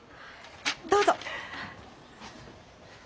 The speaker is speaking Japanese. どうぞ。